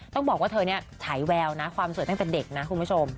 ต้องบอกว่าเธอเนี่ยฉายแววนะความสวยตั้งแต่เด็กนะคุณผู้ชม